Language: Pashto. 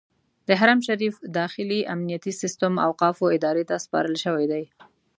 د حرم شریف داخلي امنیتي سیستم اوقافو ادارې ته سپارل شوی دی.